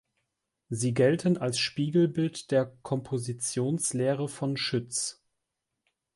Sie gelten als Spiegelbild der Kompositionslehre von Schütz.